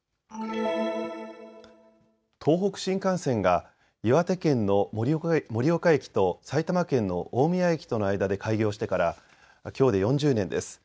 東北新幹線が岩手県の盛岡駅と埼玉県の大宮駅との間で開業してからきょうで４０年です。